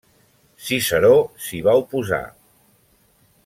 Ciceró s'hi va oposar.